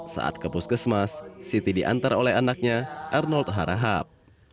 saat ke puskesmas siti diantar oleh anaknya arnold harahap